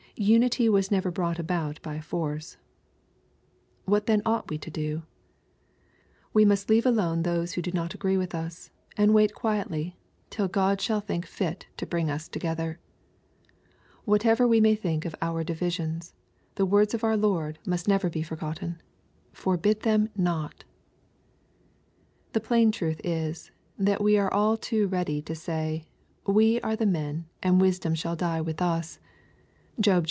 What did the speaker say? Unity was never yet brought about by force. — What then ought we to do ? We must leave alone those who do not agree with us, and wait quietly till Qod shall think 830 BXPOsrroBT thoughts. fit to bring us together. Whatever we may think of oar iivisions, the words of our Lord must never be forgot ten :" Forbid them not/' The plain truth is, that we are all too ready to say, " We are the men, and wisdom shall die with us." (Job xii.